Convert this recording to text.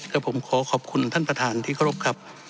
กับผมขอขอบคุณท่านประธานที่เคารพครับ